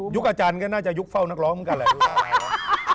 อาจารย์ก็น่าจะยุคเฝ้านักร้องเหมือนกันแหละ